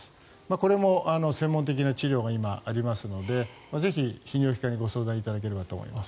これも専門的な治療が今ありますのでぜひ、泌尿器科にご相談いただければと思います。